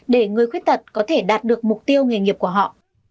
để người khuyết tật có thể đạt được mục tiêu nghề nghiệp của họ